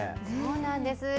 そうなんです。